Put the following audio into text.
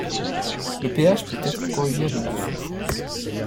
Le pH peut être corrigé avec du soufre.